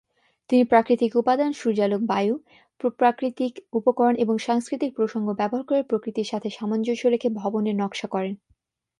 তিনি প্রাকৃতিক উপাদান, সূর্যালোক, বায়ু, প্রাকৃতিক উপকরণ এবং সাংস্কৃতিক প্রসঙ্গ ব্যবহার করে প্রকৃতির সাথে সামঞ্জস্য রেখে ভবনের নকশা করেন।